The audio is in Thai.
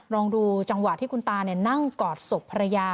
ลองดูจังหวะที่คุณตานั่งกอดศพภรรยา